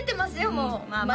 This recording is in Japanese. もううんまあまあ